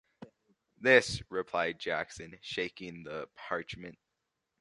‘This,’ replied Jackson, shaking the parchment.